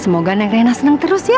semoga neng rena senang terus ya